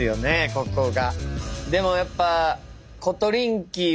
ここが。